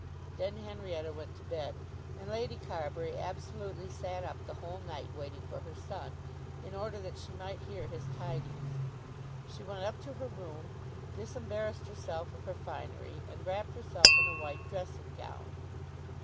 Then Henrietta went to bed, and Lady Carbury absolutely sat up the whole night waiting for her son, in order that she might hear his tidings. She went up to her room, disembarrassed herself of her finery, and wrapped herself in a white dressing gown.